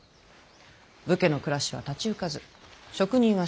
武家の暮らしは立ち行かず職人は仕事にあぶれ。